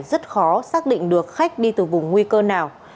rất khó xác định được khách đi từ vùng nguy cơ nào